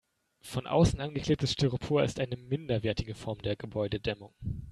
Von außen angeklebtes Styropor ist eine minderwertige Form der Gebäudedämmung.